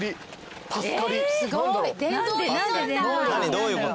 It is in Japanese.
どういうこと？